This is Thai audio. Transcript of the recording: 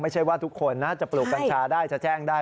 ไม่ใช่ว่าทุกคนนะจะปลูกกัญชาได้จะแจ้งได้